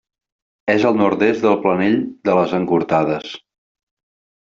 És al nord-est del Planell de les Encortades.